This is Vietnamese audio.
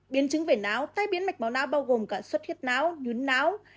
biến chứng về não tai biến mạch máu não bao gồm cả suất hiết não nhún não